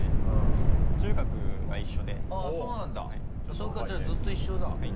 それからじゃあずっと一緒だ。